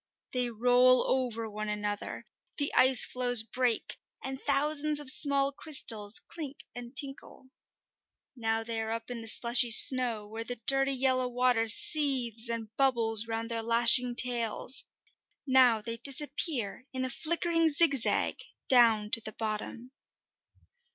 They roll over one another, the ice floes break, and thousands of small crystals clink and tinkle. Now they are up in the slushy snow, where the dirty, yellow water seethes and bubbles round their lashing tails; now they disappear in a flickering zigzag down to the bottom.